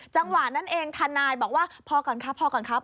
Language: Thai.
จังหวะนั้นเองทนายบอกว่าพอก่อนครับพอก่อนครับ